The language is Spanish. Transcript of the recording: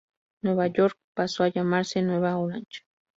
Nueva York pasó a llamarse Nueva Orange.